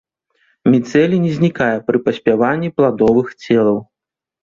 Міцэлій не знікае пры паспяванні пладовых целаў.